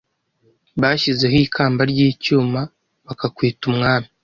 Bashyizeho ikamba ry'icyuma, bakakwita umwami